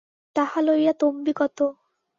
তাহা লইয়া তম্বি কত!